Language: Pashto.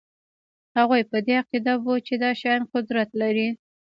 هغوی په دې عقیده وو چې دا شیان قدرت لري